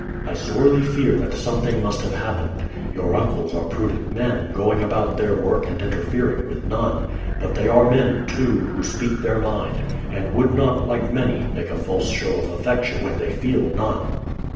I sorely fear that something must have happened. Your uncles are prudent men, going about their work and interfering with none; but they are men, too, who speak their mind, and would not, like many, make a false show of affection when they feel none.